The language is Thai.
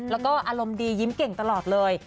แล้วก็อารมณ์ดียิ้มเก่งตลอดเลย